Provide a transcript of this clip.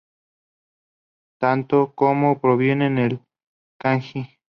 Tanto の como ノ provienen del kanji 乃.